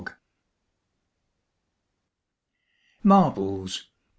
] MARBLES.